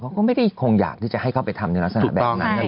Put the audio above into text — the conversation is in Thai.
เขาก็ไม่ได้คงอยากที่จะให้เขาไปทำในลักษณะแบบนั้น